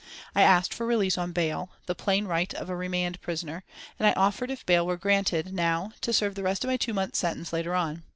I asked for release on bail, the plain right of a remand prisoner, and I offered if bail were granted now to serve the rest of my two months' sentence later on.